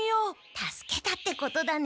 助けたってことだね。